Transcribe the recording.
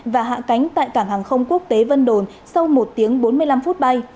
và hạ cánh tại cảng hàng không quốc tế vân đồn sau một tiếng bốn mươi năm phút bay